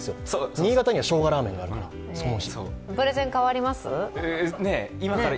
新潟にはしょうがラーメンがありますから。